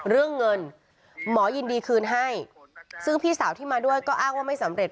เรื่องเงินหมอยินดีคืนให้ซึ่งพี่สาวที่มาด้วยก็อ้างว่าไม่สำเร็จ